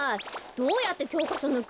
どうやってきょうかしょぬくのよ！